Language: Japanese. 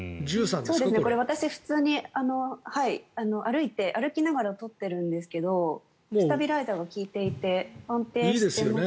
これ私普通に歩きながら撮っているんですけどスタビライザーが利いていて安定していますね。